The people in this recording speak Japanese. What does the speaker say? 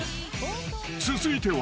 ［続いては］